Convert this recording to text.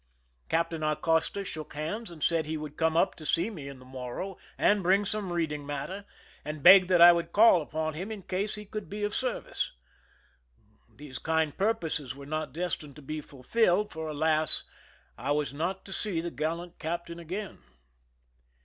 Captain Acosta shook hands, and said he would come up to see me in the Morro and bring some reading matter, and begged that I would call upon him in case he could be of service. These kind pur poses were not destined to be fulfilled, for, alas ! I was not to see the gallant captain again.